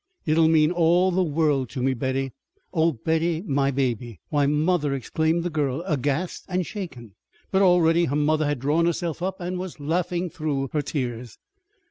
"It'll mean all the world to me, Betty oh, Betty, my baby!" "Why, mother!" exclaimed the girl, aghast and shaken. But already her mother had drawn herself up, and was laughing through her tears.